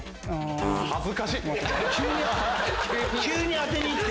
恥ずかしっ！